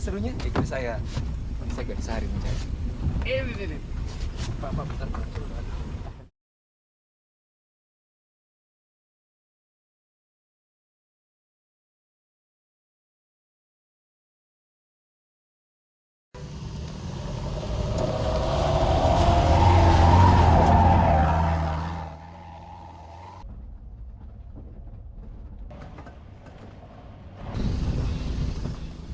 anjingnya office sayang om saya semuanya ini hoor